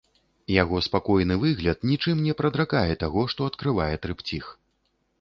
Яго спакойны выгляд нічым не прадракае таго, што адкрывае трыпціх.